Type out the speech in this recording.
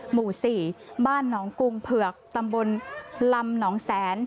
หมู่๔บ้านหนองกุงเผือกตำบลลำหนองแสน